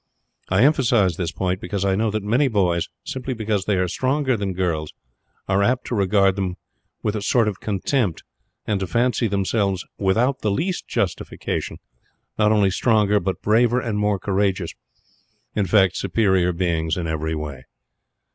I emphasize this point because I know that many boys, simply because they are stronger than girls, are apt to regard them with a sort of contempt, and to fancy themselves without the least justification, not only stronger but braver and more courageous in fact superior beings in every way.